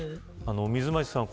水町さん